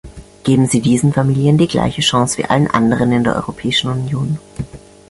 Geben Sie diesen Familien die gleiche Chance wie allen anderen in der Europäischen Union.